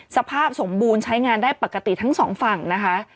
สภาพสมบูรณ์ใช้งานได้ปกติทั้งสองฝั่งนะคะ